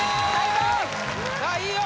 さあいいよ